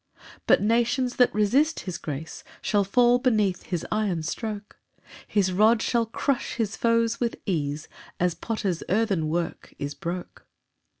"] 7 But nations that resist his grace Shall fall beneath his iron stroke; His rod shall crush his foes with ease As potters' earthen work is broke. PAUSE.